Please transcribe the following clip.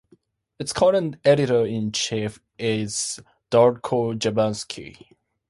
Its current editor-in-chief is Darko Janevski.